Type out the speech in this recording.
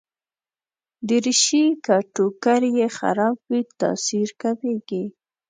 دریشي که ټوکر يې خراب وي، تاثیر کمېږي.